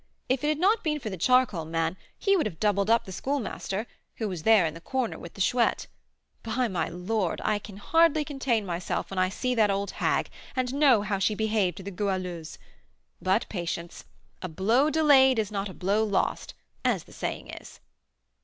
If it had not been for the charcoal man, he would have 'doubled up' the Schoolmaster, who is there in the corner with the Chouette. By the Lord! I can hardly contain myself, when I see that old hag, and know how she behaved to the Goualeuse, but patience, 'a blow delayed is not a blow lost,' as the saying is."